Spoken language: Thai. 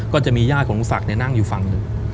ก็จะมีญาติของทุกศักดิ์นั่งอยู่ฝั่งหนึ่ง